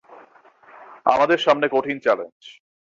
আমাদের সামনে কঠিন চ্যালেঞ্জ।